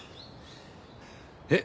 えっ？